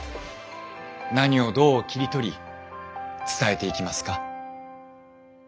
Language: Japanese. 何をどう切り取り伝えていきますか？